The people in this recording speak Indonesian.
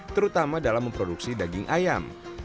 terutama dalam memproduksi daging ayam